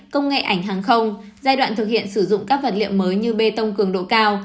công nghệ ảnh hàng không giai đoạn thực hiện sử dụng các vật liệu mới như bê tông cường độ cao